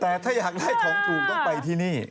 แต่ถ้าอยากได้ของถูกต้องไปที่นี่